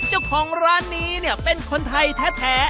เจ้าของร้านนี้เนี่ยเป็นคนไทยแท้